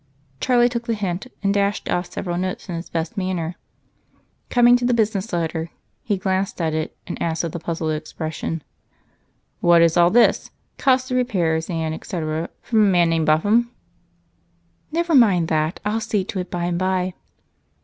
Charlie took the hint and dashed off several notes in his best manner. Coming to the business letter, he glanced at it and asked, with a puzzled expression: "What is all this? Cost of repairs, etc., from a man named Buffum?" "Never mind that I'll see to it by and by."